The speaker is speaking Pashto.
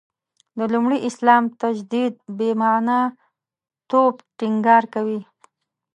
د لومړي اسلام تجدید «بې معنا» توب ټینګار کوي.